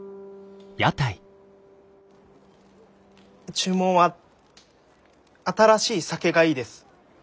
注文は新しい酒がいいです。